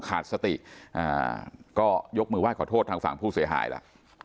ขาดสติก็ยกมือไห้ขอโทษทางฝั่งผู้เสียหายล่ะ